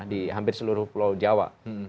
di hampir seluruh pulau jawa